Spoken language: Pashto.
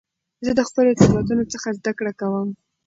زه د خپلو تېروتنو څخه زده کړه کوم.